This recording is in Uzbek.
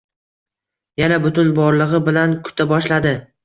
Yana butun borlig`i bilan kuta boshladi